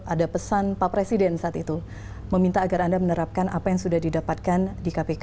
ada pesan pak presiden saat itu meminta agar anda menerapkan apa yang sudah didapatkan di kpk